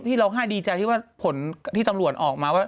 ที่เราไห้ดีใจที่ว่าที่ตำรวจออกมาว่า